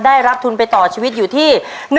ได้รับทุนไปต่อชีวิตอยู่ที่